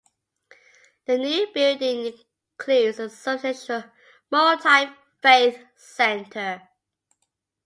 The new building includes a substantial multi-faith centre.